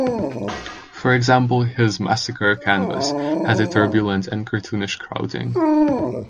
For example, his "Massacre" canvas has a turbulent and cartoonish crowding.